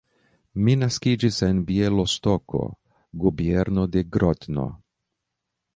Mi naskiĝis en Bjelostoko, gubernio de Grodno.